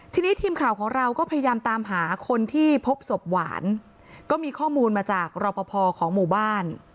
ทีนี้ทีมข่าวของเราก็พยายามตามหาคนที่พบศพหวานก็มีข้อมูลมาจากรอปภของหมู่บ้าน